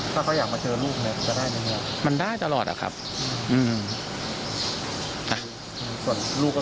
ถ้าเขาอยากมาเจอลูกเนี่ยจะได้ตรงนี้มันได้ตลอดอะครับอืม